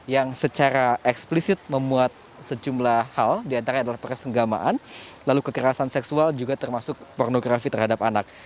yang secara eksplisit memuat sejumlah hal diantara adalah persenggamaan lalu kekerasan seksual juga termasuk pornografi terhadap anak